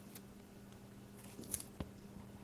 سیلاني ځایونه د ځمکې د جوړښت یوه نښه ده.